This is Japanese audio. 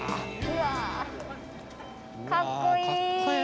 かっこいい！